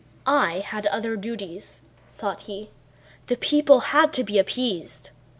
"I had other duties," thought he. "The people had to be appeased.